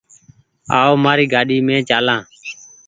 آئو مآر گآڏي مين چآلآن ۔